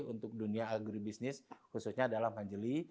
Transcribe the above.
untuk dunia agribisnis khususnya dalam lahan jeli